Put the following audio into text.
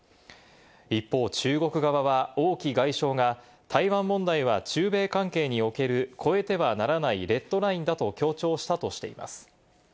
一方、中国側はオウ・キ外相が台湾問題は中米関係における越えてはならないレッドラインだと強調したとしています。